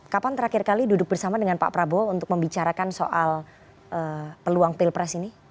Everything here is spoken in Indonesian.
kapan terakhir kali duduk bersama dengan pak prabowo untuk membicarakan soal peluang pilpres ini